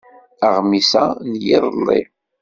Aɣmis-a n yiḍelli.